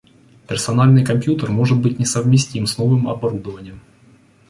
Персональный компьютер может быть несовместим с новым оборудованием